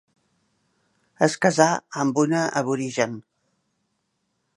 Es casà amb una aborigen.